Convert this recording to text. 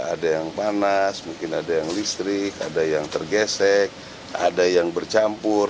ada yang panas mungkin ada yang listrik ada yang tergesek ada yang bercampur